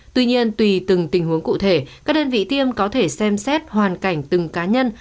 tuy nhiên tùy từng tình huống cụ thể các đơn vị tiêm có thể xem xét hoàn cảnh từng cá nhân